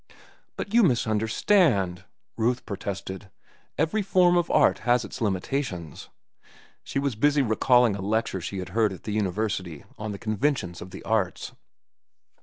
"But you misunderstand," Ruth protested. "Every form of art has its limitations." (She was busy recalling a lecture she had heard at the university on the conventions of the arts.)